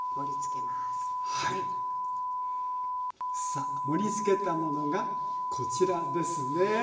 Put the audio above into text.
さあ盛りつけたものがこちらですね。